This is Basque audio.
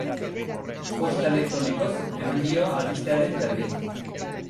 Posta elektronikoz eman dio albistearen berri.